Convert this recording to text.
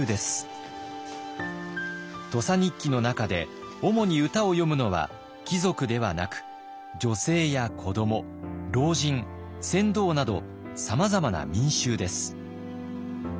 「土佐日記」の中でおもに歌を詠むのは貴族ではなく女性や子ども老人船頭などさまざまな民衆です。